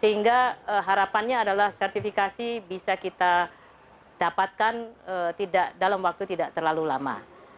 sehingga harapannya adalah sertifikasi bisa kita dapatkan dalam waktu tidak terlalu lama